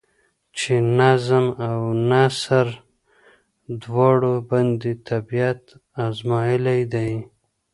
چې نظم او نثر دواړو باندې طبېعت ازمائېلے دے ۔